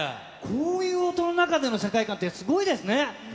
こういう音の中での世界観って、すごいですね。